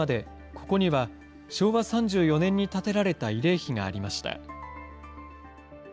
ここには昭和３４年に建てられた慰霊碑がありました。